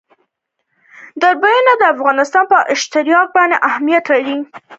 دریابونه د افغانستان په ستراتیژیک اهمیت کې رول لري.